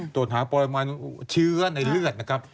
ตรวจหาปริมาณเชื้อในเลือดนะครับ